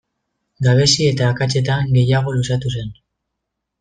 Gabezi eta akatsetan gehiago luzatu zen.